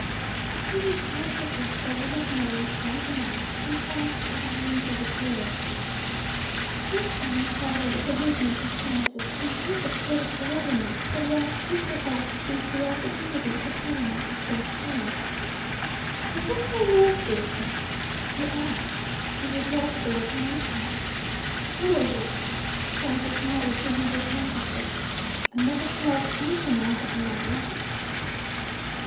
He put his handkerchief over his nose and mouth, and crossed the room to the door. The Frenchman followed the movements of Francis, in such a state of bewilderment that he actually forgot to seize the opportunity of shutting out the fresh air. 'Is it so nasty as that?' he asked, with a broad stare of amazement. 'Horrible!' Francis muttered behind his handkerchief. 'I never smelt anything like it in my life!'